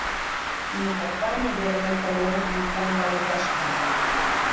Ñuka pani Verónica llankan Tanta rurashpa.